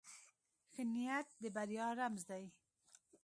ښه نیت د بریا رمز دی.